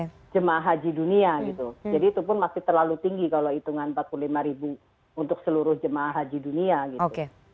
untuk jemaah haji dunia gitu jadi itu pun masih terlalu tinggi kalau hitungan empat puluh lima ribu untuk seluruh jemaah haji dunia gitu